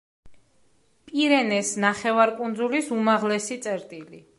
პირენეს ნახევარკუნძულის უმაღლესი წერტილი.